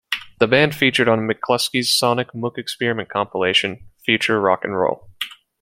The band featured on McClusky's Sonic Mook Experiment compilation "Future Rock and Roll".